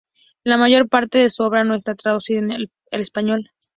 La mayor parte de su obra no está traducida al español.